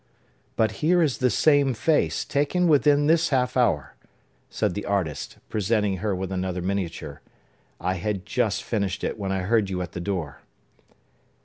"But here is the same face, taken within this half hour" said the artist, presenting her with another miniature. "I had just finished it when I heard you at the door."